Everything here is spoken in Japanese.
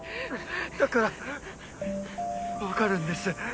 だから分かるんです。